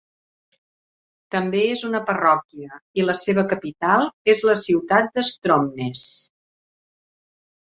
També és una parròquia, i la seva capital és la ciutat de Stromness.